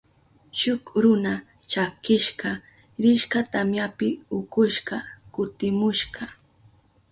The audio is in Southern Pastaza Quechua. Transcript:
Shuk runa chakishka rishka tamyapi ukushka kutimushka.